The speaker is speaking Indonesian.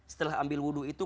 setelah ambil wudhu itu